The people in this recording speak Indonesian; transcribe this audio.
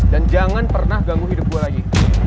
dan jangan pernah ganggu hidup gue lagi